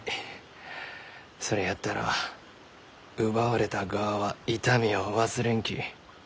それやったら奪われた側は痛みを忘れんき。